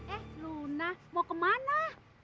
eh luna mau kemana